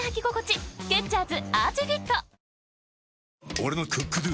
俺の「ＣｏｏｋＤｏ」！